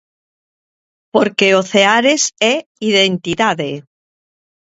Porque o Ceares é identidade.